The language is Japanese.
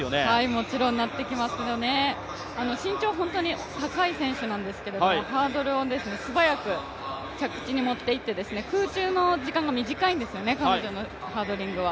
もちろんなってきますよね、身長が本当に高い選手なんですが、ハードルを素早く着地に持っていって空中の時間が短いんですよね、彼女のハードリングは。